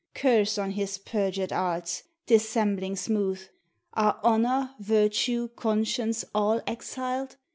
Curse on his perjured arts! dissembling smooth.! Arc honor, virtue, conscience, all exiled?